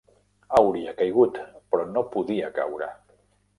Hauria caigut, però no podia caure.